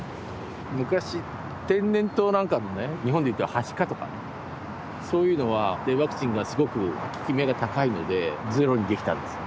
昔天然痘なんかとか日本でいうとはしかとかそういうのはワクチンがすごく効き目が高いのでゼロにできたんです。